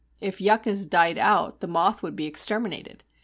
If Yuccas died out the moth would be exterminated.